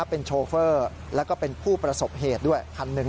เป็นโชเฟอร์แล้วก็เป็นผู้ประสบเหตุด้วยคันหนึ่ง